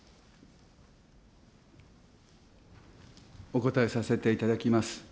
お答えさせていただきます。